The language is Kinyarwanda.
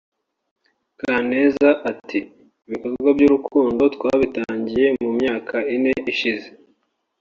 Kaneza ati “Ibikorwa by’urukundo twabitangiye mu myaka ine ishize